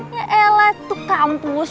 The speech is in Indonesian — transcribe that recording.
ya elah tuh kampus